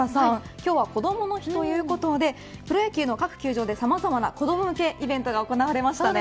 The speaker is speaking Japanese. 今日は、こどもの日ということでプロ野球の各球場でさまざまな子ども向けイベントが行われましたね。